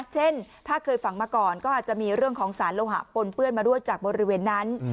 เช่นถ้าเคยฝังมาก่อนก็อาจจะมีเรื่องของสารโลหะปนเปื้อนมาด้วยจากบริเวณนั้น